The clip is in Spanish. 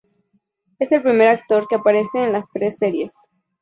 Es el primer actor que aparece en las tres series.